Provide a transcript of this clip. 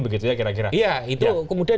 begitu ya kira kira itu kemudian